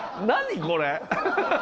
何これ。